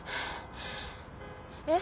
えっ？